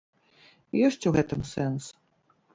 Ёсць у гэтым сэнс.